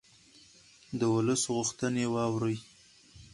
د ولس غوښتنې واورئ